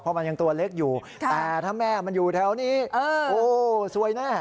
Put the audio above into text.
เพราะมันยังตัวเล็กอยู่แต่ถ้าแม่มันอยู่แถวนี้โอ้ซวยแน่